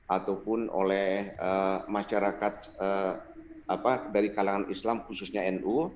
ataupun oleh masyarakat dari kalangan islam khususnya nu